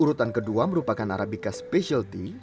urutan kedua merupakan arabica specialty